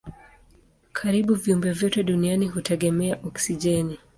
Karibu viumbe vyote duniani hutegemea oksijeni.